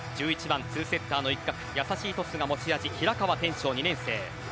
１１番、セッターの一角優しいトスが持ち味平川天翔、２年生。